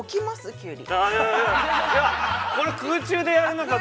キュウリ。